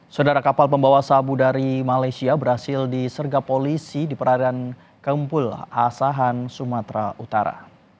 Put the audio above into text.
saudara kapal pembawa sabu dari malaysia berhasil disergap polisi di perairan kempul asahan sumatera utara